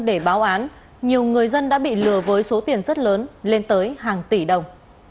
để báo án nhiều người dân đã bị lừa với số tiền rất lớn lên tới hàng tỷ đồng